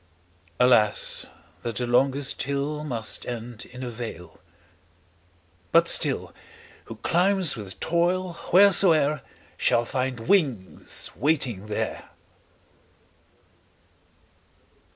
20 Alas, that the longest hill Must end in a vale; but still, Who climbs with toil, wheresoe'er, Shall find wings waiting there.